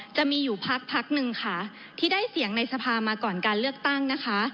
จะมีอยู่พักพักหนึ่งค่ะที่ได้เสียงในสภามาก่อนการเลือกตั้งนะคะ